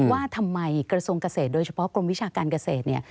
ว่าทำไมกระทรวงเกษตรโดยเฉพาะกรมวิชาการเกษตรเนี่ย